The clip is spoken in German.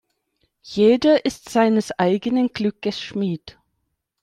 Jeder ist seines eigenen Glückes Schmied.